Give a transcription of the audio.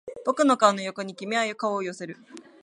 僕の顔の横に君は顔を寄せる